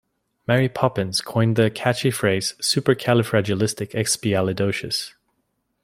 Mary Poppins coined the catchy phrase Supercalifragilisticexpialidocious.